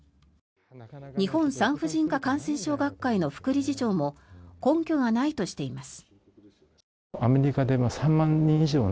日本産婦人科感染症学会の副理事長も根拠がないとしています。